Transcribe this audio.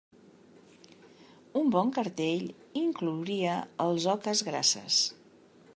Un bon cartell inclouria els Oques Grasses.